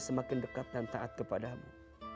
semakin dekat dan taat kepadamu